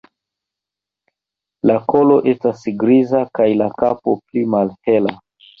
La kolo estas griza kaj la kapo pli malhela.